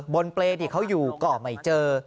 บนเปรตเขาอยู่ก่อใหม่เจอ